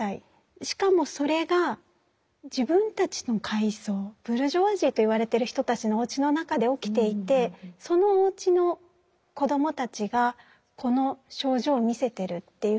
しかもそれが自分たちの階層ブルジョワジーと言われてる人たちのおうちの中で起きていてそのおうちの子供たちがこの症状を見せてるっていうふうになったわけです。